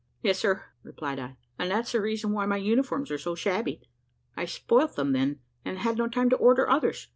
"Yes, sir," replied I, "and that's the reason why my uniforms are so shabby. I spoilt them then, and had no time to order others.